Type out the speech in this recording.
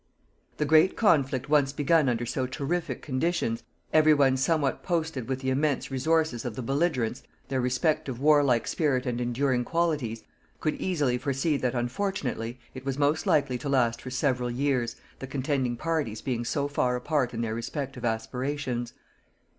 The great conflict once begun under so terrific conditions, every one somewhat posted with the immense resources of the belligerents, their respective warlike spirit and enduring qualities, could easily foresee that, unfortunately, it was most likely to last for several years, the contending parties being so far apart in their respective aspirations.